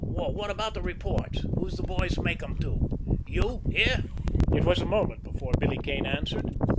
What about the reports? Who'll the boys make 'em to? You? Here?" It was a moment before Billy Kane answered.